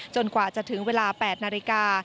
กว่าจะถึงเวลา๘นาฬิกา